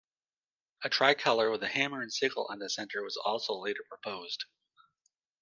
A tricolor with the hammer and sickle on the centre was also later proposed.